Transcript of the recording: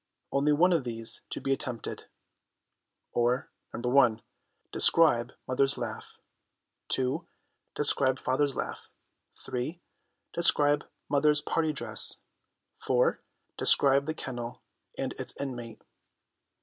Only one of these to be attempted." Or "(1) Describe Mother's laugh; (2) Describe Father's laugh; (3) Describe Mother's Party Dress; (4) Describe the Kennel and its Inmate."